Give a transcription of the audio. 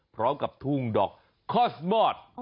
พร้อมกับทุ่งดอกคอสมอส